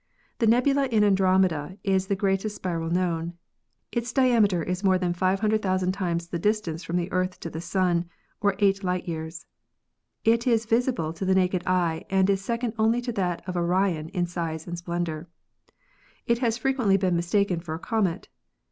The nebula in Andromeda is the greatest spiral known. Its diameter is more than 500,000 times the distance from the Earth to the Sun, or 8 light years. It is:visible to the naked eye and is second only to that of Orion in size and splendor. It has fre quently been mistaken for a comet.